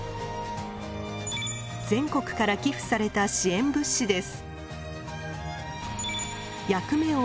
全国から寄付された支援物資です。